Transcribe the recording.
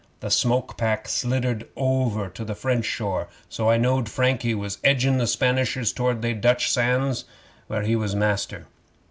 The smoke pat sliddered over to the French shore, so I knowed Frankie was edgin' the Spanishers toward they Dutch sands where he was master.